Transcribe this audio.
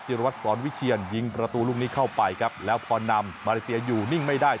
รวัตรสอนวิเชียนยิงประตูลูกนี้เข้าไปครับแล้วพอนำมาเลเซียอยู่นิ่งไม่ได้